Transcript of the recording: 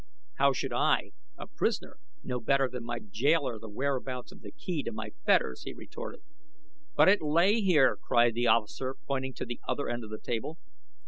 "How should I, a prisoner, know better than my jailer the whereabouts of the key to my fetters?" he retorted. "But it lay here," cried the officer, pointing to the other end of the table.